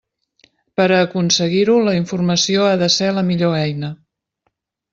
Per a aconseguir-ho, la informació ha de ser la millor eina.